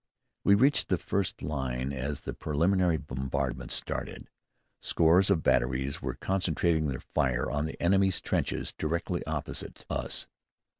We reached the first line as the preliminary bombardment started. Scores of batteries were concentrating their fire on the enemy's trenches directly opposite us.